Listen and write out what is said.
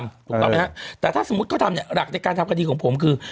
ถูกต้องไหมฮะแต่ถ้าสมมุติเขาทำเนี่ยหลักในการทำคดีของผมคือ